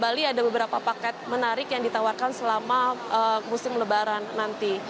bali ada beberapa paket menarik yang ditawarkan selama musim lebaran nanti